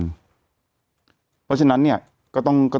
แต่หนูจะเอากับน้องเขามาแต่ว่า